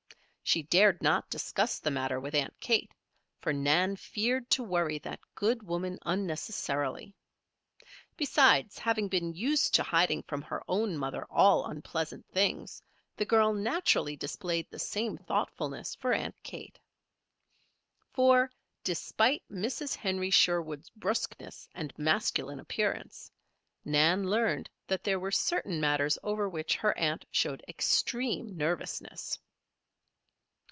She dared not discuss the matter with Aunt Kate, for Nan feared to worry that good woman unnecessarily. Besides, having been used to hiding from her own mother all unpleasant things, the girl naturally displayed the same thoughtfulness for Aunt Kate. For, despite Mrs. Henry Sherwood's bruskness and masculine appearance, Nan learned that there were certain matters over which her aunt showed extreme nervousness.